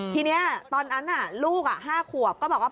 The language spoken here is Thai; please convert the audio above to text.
ทีนี้ตอนนั้นลูก๕ขวบก็บอกว่า